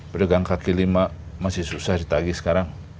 berdagang kaki lima masih susah di tagih sekarang